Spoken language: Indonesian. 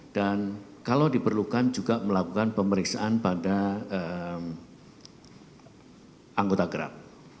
dan kalau diperlukan juga melakukan pemeriksaan pada anggota gerak